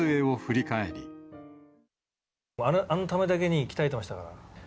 あのためだけに鍛えてましたから。